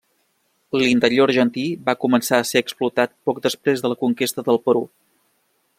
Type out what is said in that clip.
L'interior argentí va començar a ser explorat poc després de la conquesta del Perú.